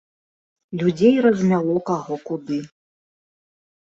Людзей размяло каго куды.